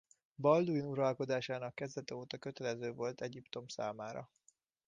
Balduin uralkodásának kezdete óta kötelező volt Egyiptom számára.